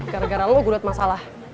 gara gara lo gue liat masalah